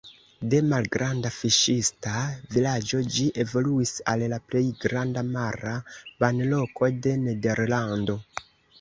De malgranda fiŝista vilaĝo ĝi evoluis al la plej granda mara banloko de Nederlando.